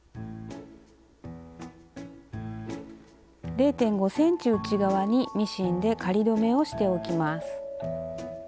０．５ｃｍ内側にミシンで仮留めをしておきます。